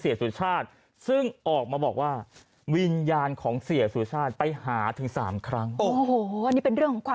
ยังไม่เห็นได้ยินนะ